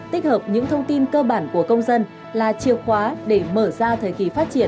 tích hợp những thông tin cơ bản của công dân là chìa khóa để mở ra thời kỳ phát triển